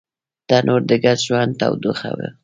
تنور د ګډ ژوند تودوخه ده